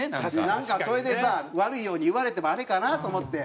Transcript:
なんかそれでさ悪いように言われてもあれかなと思って。